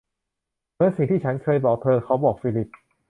เหมือนสิ่งที่ฉันเคยบอกเธอ เขาบอกฟิลิป